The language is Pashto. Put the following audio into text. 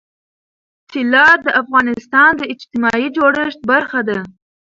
طلا د افغانستان د اجتماعي جوړښت برخه ده.